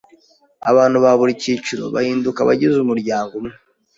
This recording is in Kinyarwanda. Abantu ba buri cyiciro bahinduka abagize umuryango umwe,